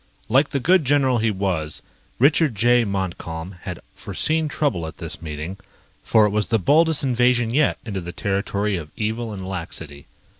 Like the good general he was, Richard J. Montcalm had foreseen trouble at this meeting, for it was the boldest invasion yet into the territory of evil and laxity.